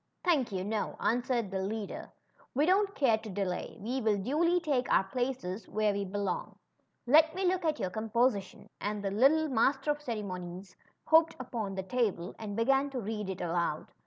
Thank you, no," answered the leader. ^ We don't care to delay. We will duly take our places where we belong. Let me look at your composition," and the lit tle Master of Ceremonies hopped upon the table and began to read it aloud.